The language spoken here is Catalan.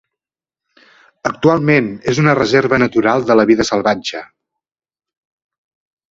Actualment és una reserva natural de la vida salvatge.